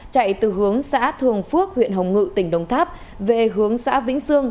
chạy từ hướng xã thường phước huyện hồng ngự tỉnh đồng tháp về hướng xã vĩnh sương